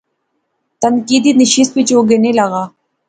تنقیدی نشست وچ او گینے لاغا